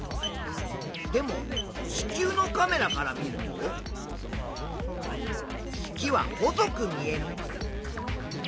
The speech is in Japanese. でも地球のカメラから見ると月は細く見える。